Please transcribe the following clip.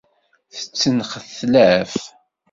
Tettenxetlaf.